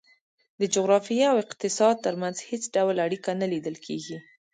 د جغرافیې او اقتصاد ترمنځ هېڅ ډول اړیکه نه لیدل کېږي.